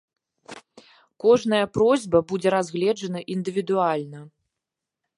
Кожная просьба будзе разгледжана індывідуальна.